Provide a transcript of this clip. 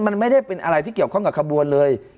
มันไม่ได้เป็นอะไรที่เกี่ยวข้องกับขบวนเลย